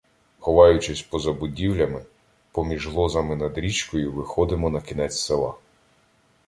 Ховаючись поза будівлями, поміж лозами над річкою виходимо на кінець села.